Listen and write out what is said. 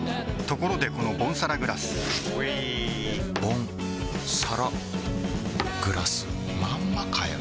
ところでこのボンサラグラスうぃボンサラグラスまんまかよ